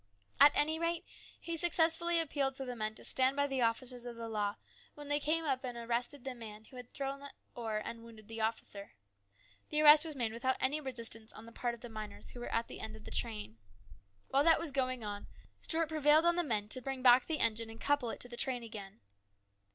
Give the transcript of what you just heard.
At any rate, he successfully appealed to the men to stand by the officers of the law when they came up and arrested the man who had thrown the ore and wounded the officer. The arrest was made without any resistance on the part of the miners who were at the end of the train. While that was going on, Stuart prevailed on the men to bring back the engine and couple it to the train again.